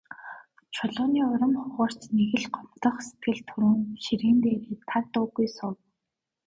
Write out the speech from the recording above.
Чулууны урам хугарч, нэг л гомдох сэтгэл төрөн ширээн дээрээ таг дуугүй суув.